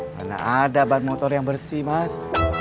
karena ada ban motor yang bersih mas